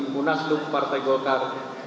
munasduk partai golkar dua ribu tujuh belas